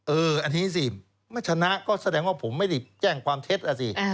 อันนี้สิไม่ชนะก็แสดงว่าผมไม่ได้แจ้งความเท็จอ่ะสิ